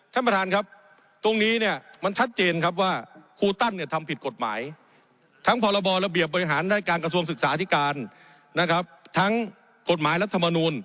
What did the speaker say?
ท่านประธานครับตรงนี้เนี่ยมันชัดเจนครับว่าครูตั้นเนี่ยทำผิดกฎหมายทั้งพรบระเบียบบริหารด้านการกระทรวงศึกษาธิการนะครับทั้งกฎหมายรัฐมนูล